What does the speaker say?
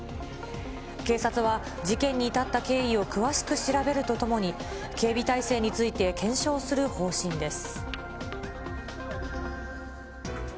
警察は事件に至った経緯を詳しく調べるとともに、警備態勢について検証する方針です。